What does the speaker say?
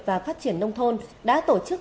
và phát triển nông thôn đã tổ chức